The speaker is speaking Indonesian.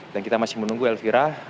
dan kita masih menunggu elvira